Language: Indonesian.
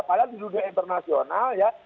padahal di dunia internasional ya